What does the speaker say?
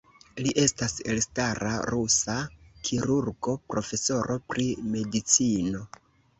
Li estas elstara rusa kirurgo, profesoro pri medicino.